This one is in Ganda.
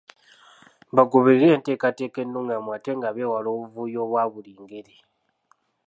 Bagoberere enteekateeka ennungamu ate nga beewala obuvuyo obwa buli ngeri.